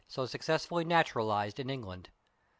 97 SO successfully naturalized in England.